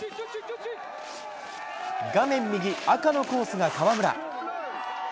画面右、赤のコースが川村。